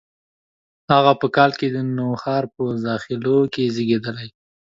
هغه په کال کې د نوښار په زاخیلو کې زیږېدلي دي.